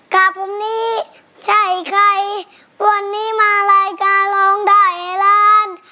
ข้าผมนี้ใช่ใครวันนี้มารายการร้องได้แล้ว